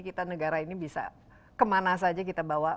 kita negara ini bisa kemana saja kita bawa